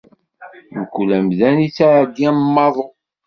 Mkul amdan ittɛeddi am waḍu.